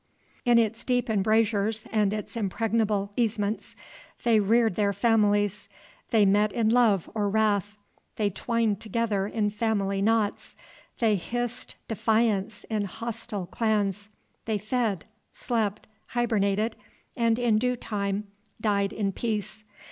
In its deep embrasures and its impregnable easemates they reared their families, they met in love or wrath, they twined together in family knots, they hissed defiance in hostile clans, they fed, slept, hibernated, and in due time died in peace.